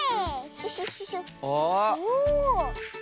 シュシュシュシュ。